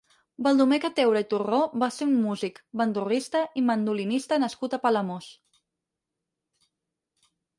Baldomer Cateura i Turró va ser un músic, bandurrista i mandolinista nascut a Palamós.